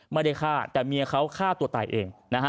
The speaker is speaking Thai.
ไม่ได้ฆ่าแต่เมียเขาฆ่าตัวตายเองนะฮะ